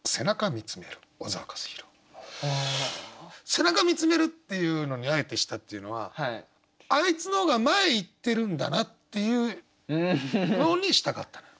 「背中見つめる」っていうのにあえてしたっていうのはあいつの方が前行ってるんだなっていうようにしたかったから。